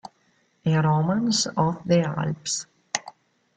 A Romance of the Alps